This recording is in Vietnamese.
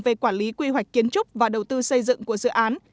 về quản lý quy hoạch kiến trúc và đầu tư xây dựng của dự án